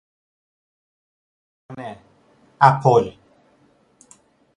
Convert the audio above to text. تودوزی شانه، اپل